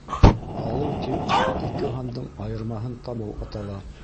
Алыу тип ике һандың айырмаһын табыу атала